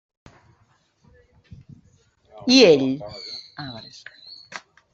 I ell?